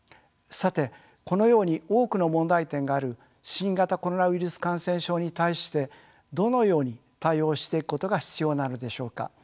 さてこのように多くの問題点がある新型コロナウイルス感染症に対してどのように対応していくことが必要なのでしょうか。